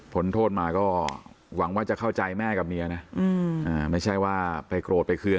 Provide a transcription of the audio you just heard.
ผลโทษมาก็หวังว่าจะเข้าใจแม่กับเมียนะไม่ใช่ว่าไปโกรธไปเคือง